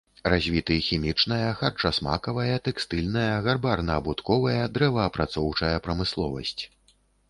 Развіты хімічная, харчасмакавая, тэкстыльная, гарбарна-абутковая, дрэваапрацоўчая прамысловасць.